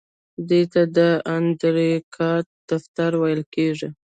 دې ته د اندیکاتور دفتر ویل کیږي.